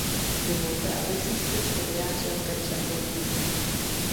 Dovolte, abych se stručně vyjádřil ke třem bodům.